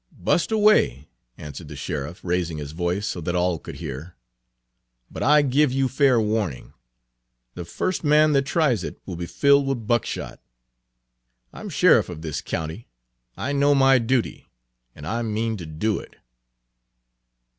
"Bust away," answered the sheriff, raising his voice so that all could hear. "But I give you fair warning. The first man that tries it will be filled with buckshot. I'm sheriff of this county; I know my duty, and I mean to do it."